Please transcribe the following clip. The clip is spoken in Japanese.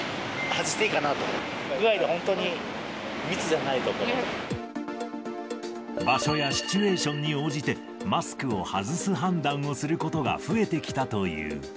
屋外で、場所やシチュエーションに応じて、マスクを外す判断をすることが増えてきたという。